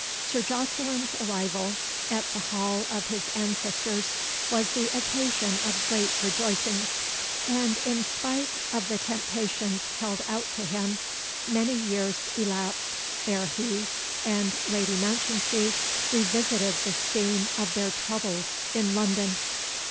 Sir Jocelyn's arrival at the hall of his ancestors was the occasion of great rejoicings; and, in spite of the temptations held out to him, many years elapsed ere he and Lady Mounchensey revisited the scene of their troubles in London.